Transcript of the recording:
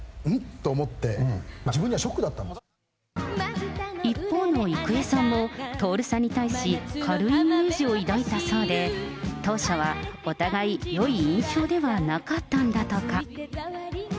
と思って、自一方の郁恵さんも、徹さんに対し、軽いイメージを抱いたそうで、当初はお互いよい印象ではなかったんだとか。